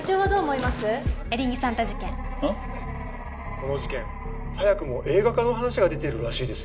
この事件早くも映画化の話が出てるらしいですよ。